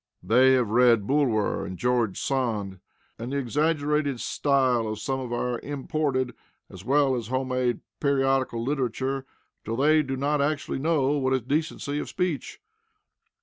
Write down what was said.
They have read Bulwer, and George Sand, and the exaggerated style of some of our imported as well as home made periodical literature, until they do not actually know what is decency of speech.